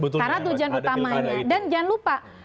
dan jangan lupa